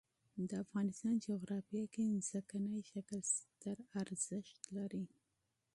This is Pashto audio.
د افغانستان جغرافیه کې ځمکنی شکل ستر اهمیت لري.